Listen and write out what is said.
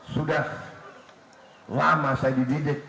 sudah lama saya dididik